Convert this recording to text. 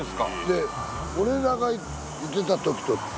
で俺らがいてた時と。